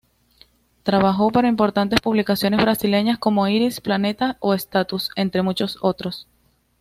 Trabajó para importantes publicaciones brasileñas, como Iris, Planeta o Status, entre muchos otros.